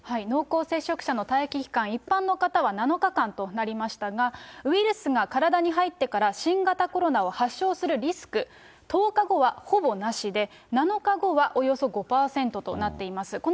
濃厚接触者の待機期間、一般の方は７日間となりましたが、ウイルスが体に入ってから新型コロナを発症するリスク、１０日後はほぼなしで、７日後はおよそ５％となっています。